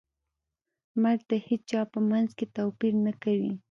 مرګ د هیچا په منځ کې توپیر نه کوي.